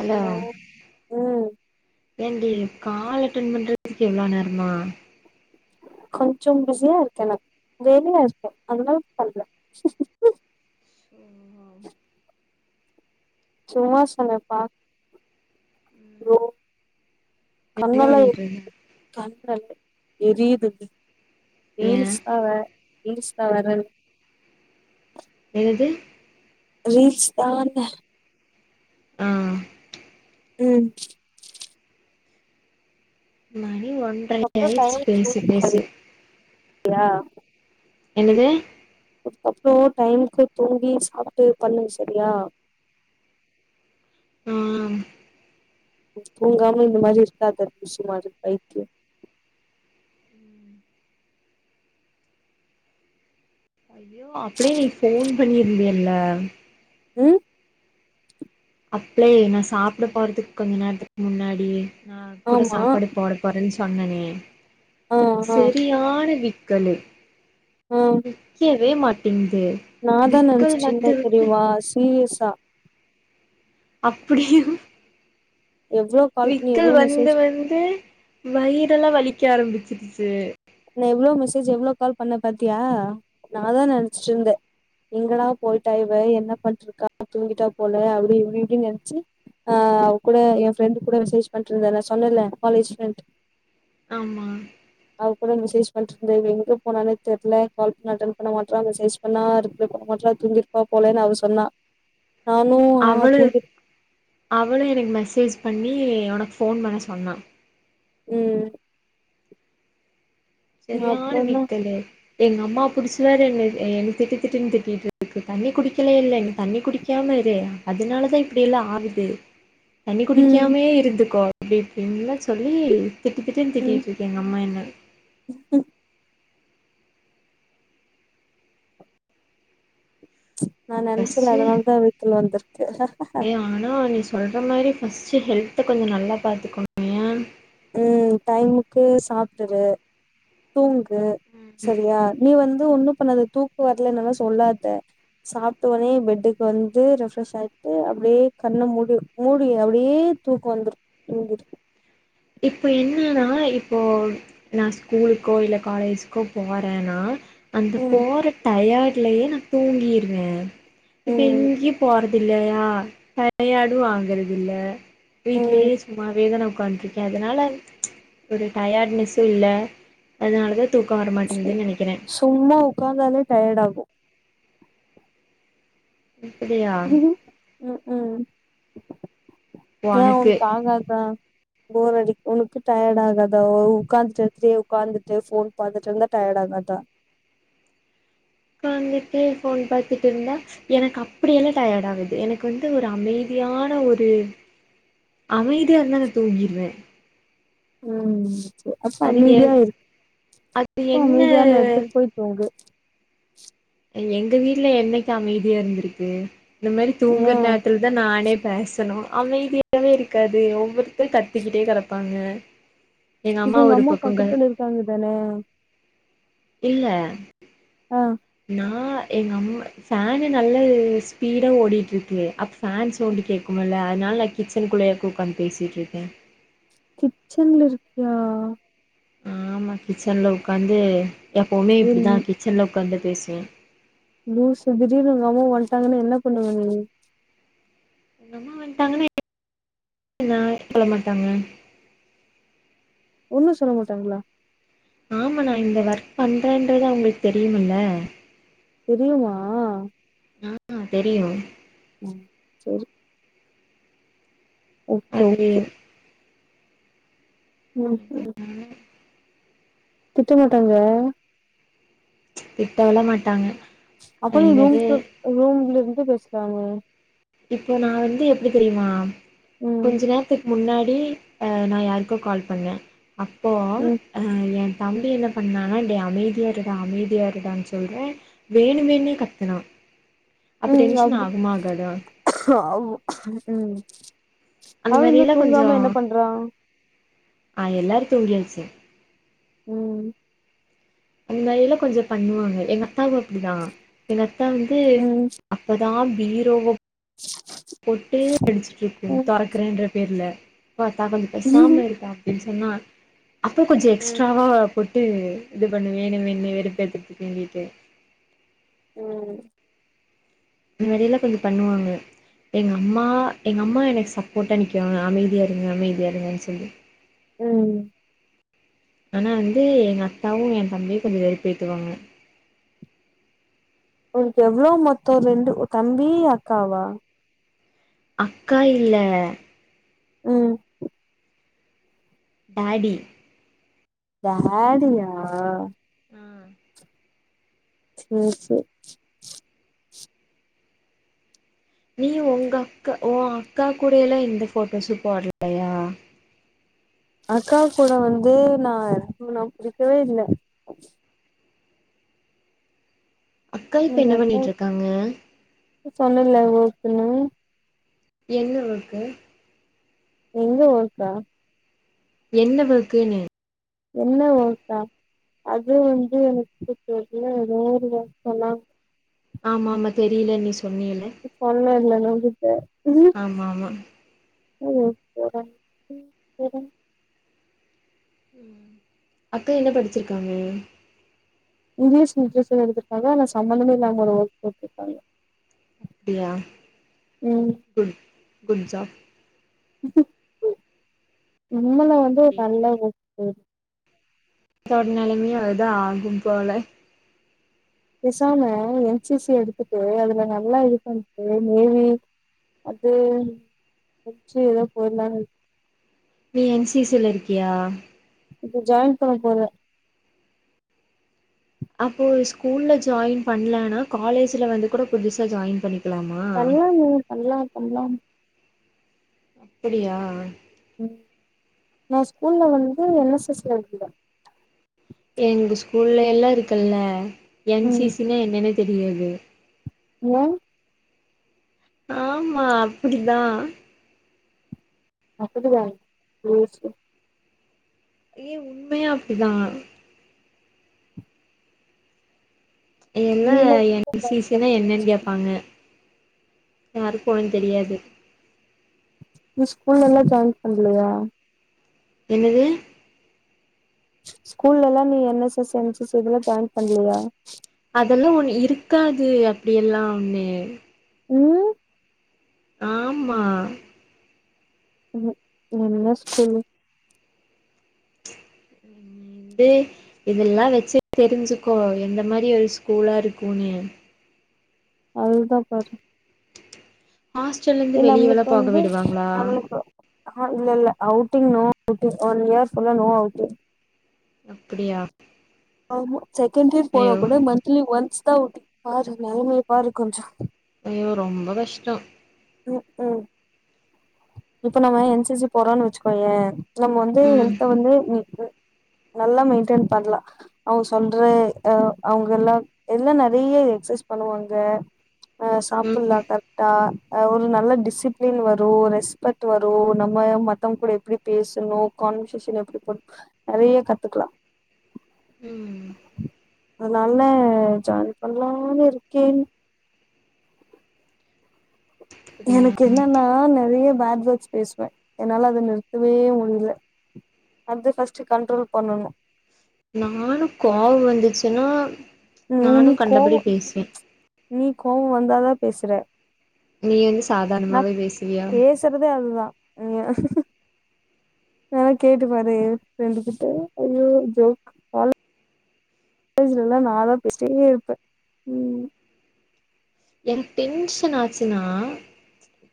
allow hello ம் ஏண்டி call attend பண்றதுக்கு இவ்ளோ நேரமா கொஞ்சோ பிஸியா இருக்கே நா வேலயா இருக்கே அதனால பண்ல ம் சும்மா சொன்னேபா லோ என்ன கண்ணலா எர் பண்ணிட்டு இருந்த கண் ரெண்டு எரியுது ஏ ரீல்ஸ் பவ ரீல்ஸ் பவரண் என்னது ரீல்ஸ்தான் ஆ ம் மணி ஒன்றே அப்றோ ஆயிர்ச்சு பேசி பேசி யா என்னது அப்றோ டைம்கு தூங்கி சாப்ட்டு பண்ணு செரியா ஆ தூங்காம இந்த மாரி இருக்காத லூசு மாதிரி பைத்தியோ அப்டியே நீ ஃபோன் பண்ணியிருந்தியில்ல ம் அப்டே நா சாப்ட போறதுக்கு கொஞ்ச நேரத்துக்கு முன்னாடி நா கூட ஆமா சாப்பாடு போட போறன் சொன்னனே ஆ ஆ செரியான விக்கலு நிக்கவே மாட்டேங்து நாதா நெனச்சிட்ருந்தே தெரியுமா சீரியஸா அப்பிடியா எவ்ளோ கால் பண்ணி விக்கல் எவ்ளோ மெசேஜ் வந்து வந்து வயிறெல்லா வலிக்க ஆரம்பிச்சிருச்சு நா எவ்ளோ மெசேஜ் எவ்ளோ கால் பண்ண பாத்தியா நா அதா நெனச்சிட்ருந்தே எங்கடா போயிட்டா இவ என்ன பண்ட்ருக்கா தூங்கிட்டா போல அப்டி இப்டி இப்டின் நெனச்சி நா அவ கூட ஏ ஃப்ரண்ட் கூட மெசேஜ் பண்ட்ருந்த நா சொன்னல கலேஜ் ஃப்ரண்ட் ஆமா நா கூட மெசேஜ் பண்ட்ருந்தே இவ எங்க போனானே தெர்ல கால் பண்ணா அட்டன் பண்ண மாட்ரா மெசேஜ் பண்ணா ரிப்ளே பண்ண மாட்ரா தூங்கிற் ப்பா போலனு அவ சொன்னா நானு ஆ அவளு தூங்கிரு அவளு எனக் மெசேஜ் பண்ணி ஒனக் ஃபோன் பண்ண சொன்னா ம் செரியான அப்றோந்தா விக்கலு எங்கம்மா புடிச்ச வேற என்ன எ என்ன திட்டு திட்டுன் திட்டிட்ருக்கு தண்ணி குடிக்கலேல்ல நீ தண்ணி குடிக்காமா இரு அதனாலதா இப்டியெல்லா ஆகுது தண்ணி ம் குடிக்காமயே இருந்துக்கோ அப்டி இப்டின்லா சொல்லி திட்டு திட்டுன் ம் திட்டிட்ருக்கு எங்க அம்மா என்ன ம் நா நெனச்சல்ல ஃபஸ்ட்டு அதனாலதா விக்கல் வந்துருக்கு ஏ ஆனா நீ சொல்ற மாரி ஃபஸ்ட்டு ஹெல்த்து கொஞ்சோ நல்லா பாத்துக்கோணு ம் டைமுக்கு சாப்ட்டுரு தூங்கு ஏ செரியா நீ வந்து ஒன்னு பண்ணாத தூக்கோ வர்லைனல்லா சொல்லாத சாப்ட்டோன்னே பெட்டுக்கு வந்து ரெஃப்ரஷ் ஆயிட்டு அப்டே கண்ண மூடி மூடி அப்டே தூக்க வந்துரு தூங்கிரு இப்போ என்னன்னா இப்போ நா ஸ்கூலுக்கோ இல்ல காலேஜிக்கோ போறனா அந்த ம் போற டயட்லயே நா தூங்கிருவே இப்ப ம் எங்கியு போறதில்லயா டையடு ஆகறதில்ல ம் வீட்லயே சும்மாவேதான உக்காண்ட்ருக்கே அதனால ஒரு டயர்ட்னஸெ இல்ல அதனாலதா தூக்க வரமாட்டேங்குதுன் நெனைக்கிறே சும்மா உக்கந்தாலே டயடாகு அப்படியா ம்ஹும் ஏ ஒனக்கு உனக்கு [unintelligible] போர் அடிக் உனக்கு டயடாகாதா உட்காந்துட்டு இருத்து உக்காந்துட்டு இப்டியே உக்காந்துட்டு ஃபோன் பாத்துட்ருந்தா டயடாகாதா உக்காந்துட்டு ஃபோன் பாத்துட்ருந்தா எனக்கு அப்படியெல்லா டயர்டாகாது எனக்கு வந்து ஒரு அமைதியான ஒரு அமைதியாருந்தா நா தூங்கிருவே ம் ம் அப்ப அது எ அமைதியாருக் அது அப்ப அமைதியான என்ன எடத்துக்கு போய் தூங்கு ஏ எங்க வீட்ல என்னைக்கி அமைதியாருந்துருக்கு இந்த மாரி தூங்கர ஏன் நேரத்துல தா நானே பேசனு அமைதியாவே இருக்காது ஒவ்வொருத்தரு கத்திக்கிட்டே கடப்பாங்க இப்ப உங்க அம்மா பக்கத்துல இருக்காங்க தான இல்ல அ நா எங்க அம்மா ஃபேன் நல்ல ஸ்பீடா ஓடிட்டு இருக்கு அப்ப ஃபேன் சவுண்ட் கேட்கல அதனால கிச்சன் குள்ளேயே உட்காந்து பேசிகிட்டுருக்க கிச்சன்ல இருக்கியா ஆமா கிச்சன்ல உட்காந்து எப்பவுமே ஏ இப்படிதா கிச்சன்ல உட்காந்து பேசுவே லூசு திடீனு உங்க அம்மா வந்துட்டாங்கன்னா என்ன பண்ணுவ நீ எங்க அம்மா வந்துட்டாங்கன்னா [inaudible] சொல்ல மாட்டாங்க ஒன்னு சொல்ல மாட்டாங்களா ஆமா நா இந்த ஒர்க் பண்றேன்றது அவங்களுக்கு தெரியுமல தெரியுமா ஆ ஹ தெரியு உம் சரி ஓகே அது ஓகே உம்ம் [unintelligible] திட்ட மாட்டாங்க அ திட்டல மாட்டாங்க அப்ப ர என்னது [unintelligible] ரும் இருந்து பேசராங்க இப்போ நா வந்து எப்படி தெரியுமா ம் கொஞ்ச நேரத்து முன்னாடி அ நா யாருக்கு கால் பண்ணே அப்போ ம் அ எ தம்பி என்ன பண்ணா டேய் அமைதியா இருடா அமைதியா இருடான்னு சொல்ற வேணு வேணு கத்துனா அப்ப உம் டென்ஷன் ஆகுமா ஆகாதா [unintelligible] அடி உம் அந்த அவன் இன்னு மாரியெல்லா கொஞ்சோ தூங்காம என்ன பண்றா ஆ எல்லாரு தூங்கியாச்சு உம் அந்த நையில [unintelligible] கொஞ்ச பண்ணுவாங்க எங்க அத்தாவு அப்படிதா எங்க அத்தா வந்து ம் அப்பதா பீரோவ் போட்டு அடிச்சுட்டு இருக்கு ம் துறக்கறேன்ற பேர்ல பாத்தா கொஞ்ச பேசாம இருப்பா சொன்னா அப்போ கொஞ்ச ம் எக்ஸ்ட்ராவா போட் விட்டு இது பண்ண வேணு வேணு வெறுபேத்துதுக்கிட் உம் அந்த மாதிரி எல்லா கொஞ்ச பண்ணுவாங்க எங்க அம்மா எங்க அம்மா எனக்கு சப்போர்ட்டாக நிக்குவாங்க அமைதியா இருங்க அமைதியா இருங்கன்னு சொல்லி உம் ஆனா வந்து எங்க அத்தாவு என் தம்பியு கொஞ்ச வெறு பேத்துவாங்க உனக்கு எவ்வளவு மொத்த ரெண்டு தம்பி அக்காவா அக்கா இல்ல உம் டாடி டி [unintelligible] ஆஹ் [inaudible] சரி சரி [unintelligible] நீ உங்க அக்கா உ அக்கா கூட எல்லாம் எந்த போட்டோஸ் போடலையா அக்கா கூட வந்து நா ந புடிக்கவே இல்ல அக்கா இப்ப நீங்க என்ன அக்கா பண்ணிட்டு இருக்காங்க சொன்னல ஒர்க்குனு என்ன ஒர்க்கு எங்க ஒர்க்கா என்ன ஒர்க்குன்னே என்ன ஒர்க்கா அது வந்து எனக்கு தெரில ஏதோ ஒரு ஒர்க் சொன்னாங்க ஆமா ஆமா தெரில நீ சொன்னில சொன்னேன் இல்ல உன்கிட்ட உ ஆமா ஆமா [unintelligible] அக்கா என்ன படிச்சிருக்காங்க இங்கிலிஷ் லிட்ரேச்சர் எடுத்துருக்காங்க ஆனா சம்பந்தமே இல்லாம ஒரு ஒர்க் போயிட்ருக்காங்க அப்டியா ம் குட் குட் ஜாப் நம்மலா வந்து ஒரு ம் நல்ல ஒர்க் இதோட நெலமையும் அதா ஆகும் போல பேசாம என்சிசி எடுத்துட்டு அதுல நல்லா இது பண்ட்டு நேவி அது முட்ச்சு ஏதோ போயிரலாம்னு இருக்கு நீ என்சிசில இருக்கியா இப்ப ஜாயின் பண்ண போறே அப்போ ஸ்கூல்ல ஜாயின் பண்லன்னா காலேஜ்ல வந்து கூட புதுசா ஜாயின் பண்ணிக் பண்லாமே பண்லாம் பண்லாம் அப்டியா ம் நா ஸ்கூல்ல வந்து என் எஸ் எஸ் ல இருந்தன் எங்க ஸ்கூல்ல எல்லா இருக்குல்ல என் சி ம் சி னா என்னனே தெரியாது ம் ஆமா அப்டிதான் அப்டியா வேஸ்ட்டு ஏ உண்மையா அப்டிதான் எல்லா நீலா என் சி ஜாயின் சி னா பண்றியா என்னன்னு கேப்பாங்க யாருக்கு ஒண்ணு தெரியாது நீ ஸ்கூல் எல்லா ஜாயின் பண்லையா என்னது ஸ்கூல்ல எல்லாம் நீ N S S N C C இதுல ஜாயின் பண்லையா அதெல்லா ஒண்ணு இருக்காது அப்டி எல்லாமே ம் ஆமா ம் என்ன ஸ்கூல் ஏ இதெல்லா வச்சு தெரிஞ்சுக்கோ எந்த மாரி ஒரு ஸ்கூலா இருக்குன்னு அதுதா பாரு ஹாஸ்டல் இ நம்ளுக்கு வந்து நம்ளுக்கு ஆ இல்ல இல்ல outing no outing one year ஃபுல்லா நோ அவுட்டிங் அப்டியா ஆமா செகண்ட் இயர் போனா ஐயோ கூட மந்திலி ஒன்ஸ் தா அவுட்டிங் பாரு நெலமைய பாரு கொஞ்ச ஐயோ ரொம்ப கஷ்டம் ம் ம் இப்ப நம்ம என் சி சி போறோன்னு வச்சுக்கோயே நம்ம வந்து ம் ஹெல்த வந்து நி நல்லா மெயின்டேன் பண்லாம் அவங்க சொல்ற ஆ அவங்க எல்லா எல்லா நறைய எக்சைஸ் பண்ணுவாங்க ஆ ம் சாப்பலாம் கரெக்டா ஆ ஒரு நல்ல டிசிப்ளின் வரும் ரெஸ்பெக்ட் வரும் நம்ம மத்தவங்க கூட எப்டி பேசணு கான்வர்சேஷன் எப்டி பண்ணும் நறைய கத்துக்கலாம் ம் அனால ஜாயின் பண்லான்னு இருக்கேன் அப்டியா எனக்கு என்னென்னா நேறைய பேட் வேர்ட்ஸ் பேசுவே என்னால அதை நிறுத்தவே முடியில அது ஃபர்ஸ்ட் கண்ட்ரோல் பண்ணணு நானு கோவோ வந்துச்சுன்னா நானு மூளி கண்டபடி கோவோ பேசுவே நீ கோவோ வந்தா தா பேசுற நீ வந்து சாதார்ணமாவே பேசுவியா பேஸ்றதே அதுதா இல்லன்னா கேட்டு பாரு ஏ பிரண்டு கிட்ட ஐயோ ஜோக் காலேஜ்லல்லா நா தா பேசிட்டே இருப்பே ம் என்க் டென்ஷன் ஆச்சுன்னா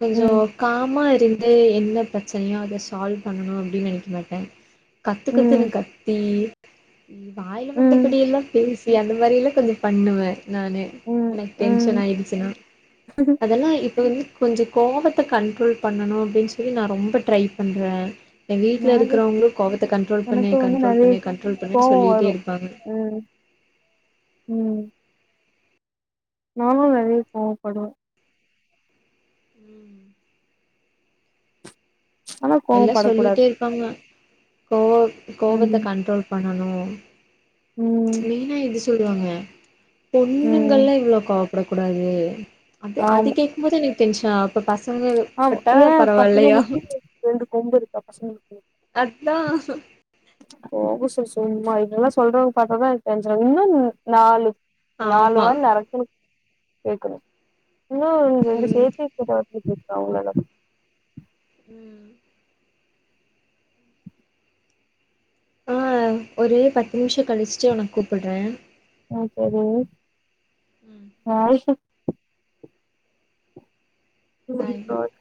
கொஞ்சோ ம் காமா இருந்து என்ன பிரச்சனையோ அத சால்வ் பண்ணணு அப்டின் நெனைக்க மாட்டே கத்துக்கத்துன்னு ம் கத்தி வாயில ம் வந்தபடி எல்லா பேஸ் சி அந்த மாரில்லா கொஞ்சோ பண்ணுவே நானு ம் எனக்கு டென்ஷ ம் ன் ஆயிடுச்சுன்னா அதெல்லா இப்ப வந்து கொஞ்சோ கோவத்த கண்ட்ரோல் பண்ணணு அப்டின்னு சொல்லி நா ரொம்ப ட்ரை பண்றே எங்க வீட்ல் எனக்கு இருக்கிறவங்களு கோவத்த கண்ட்ரோல் பண்ணு எனக்கு வந்து கண்ட்ரோல் நெறைய பண்ணு கண்ட்ரோல் பண்ணுன்னு கோவோ சொல்லிகிட்டே வரு இருப்பாங்க ம் ம் நானு நெறைய கோவப்படுவே ம் ஆனா எல்லா கோவப்படக்கூடாது சொல்லிட்டே இருப்பாங்க கோவ ம் கோவத்த கண்ட்ரோல் பண்ணனு ம் மெயினா இது சொல்லுவாங்க ம் பொண்ணுங்கள்லா இவ்ளோ கோவ் படக்கூடாது அது அது ஆமா கேக்கும்போது எனக்கு டென்ஷன் இப்ப பசங்கப் ஆமா பட்டா ஏ பசங்க பரவால்லையா மட்டு ரெண்டு கொம்பு இருக்கா பசங்களுக்கு அத்தா போங்க சார் சும்மா இதெல்லா சொல்றவங்க பார்த்ததா எனக் டென்ஷன் இன்னு நாலு ஆமா நாலுவாய் நறுக்குன்னு கேக்கணு இன்னு ரெண்டு ம் சேர்த்தி கெட்டவார்த் கேப்ப அவ்ங்ளெல்லா ம் ஆ ஒரு பத்து நிம்ஷோ கழிச்சுட்டு உனக்கு கூப்புட்றே ஆ சரி உங் ம் வீட்டுக் பாய் [unintelligible]